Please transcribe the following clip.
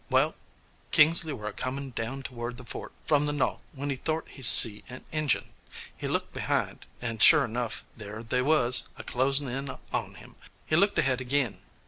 Wal, Kingsley were a comin' down toward the fort from the no'th when he thort he see an Injun. He looked behind, and, sure enough, there they was, a closin' in on him. He looked ahead agin.